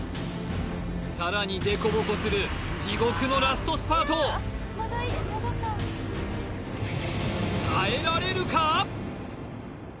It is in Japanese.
さらにデコボコする地獄のラストスパート耐えられるか？